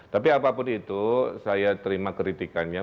tapi apapun itu saya terima kritikannya